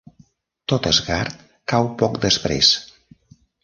Tot Asgard cau poc després.